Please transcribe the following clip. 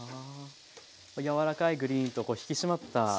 柔らかいグリーンと引き締まったグリーン。